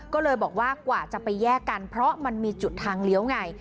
ก็เลยบอกว่ากว่าจะไปแยกกันเพราะมันมีจุดทางเลี้ยวไง